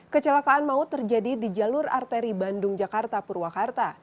kecelakaan maut terjadi di jalur arteri bandung jakarta purwakarta